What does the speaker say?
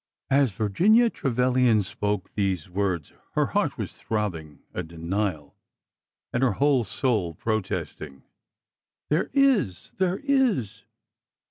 As Virginia Trevilian spoke these words her heart was throbbing a denial and her whole soul protesting. There is ! there is